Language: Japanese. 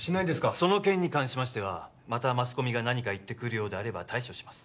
その件に関しましてはまたマスコミが何か言ってくるようであれば対処します